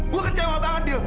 gue kecewa banget dil